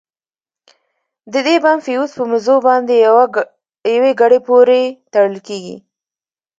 د دې بم فيوز په مزو باندې يوې ګړۍ پورې تړل کېږي.